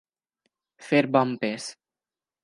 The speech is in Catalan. Fer bon pes.